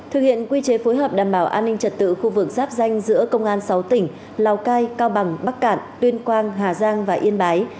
thực hiện quy chế phối hợp đảm bảo an ninh trật tự khu vực giáp danh giữa công an sáu tỉnh lào cai cao bằng bắc cạn tuyên quang hà giang và yên bái